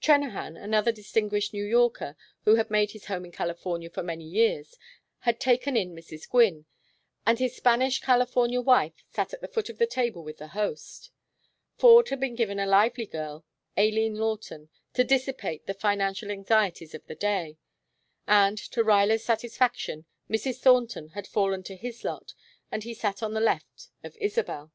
Trennahan, another distinguished New Yorker, who had made his home in California for many years, had taken in Mrs. Gwynne, and his Spanish California wife sat at the foot of the table with the host. Ford had been given a lively girl, Aileen Lawton, to dissipate the financial anxieties of the day, and, to Ruyler's satisfaction, Mrs. Thornton had fallen to his lot and he sat on the left of Isabel.